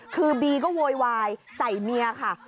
คือบีก็โวยวายใส่เมียค่ะ